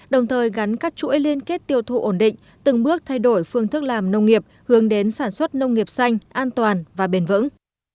đồng thời gắn các chuỗi liên kết tiêu thụ ổn định từng bước thay đổi phương thức làm nông nghiệp hướng đến sản xuất nông nghiệp xanh an toàn và bền vững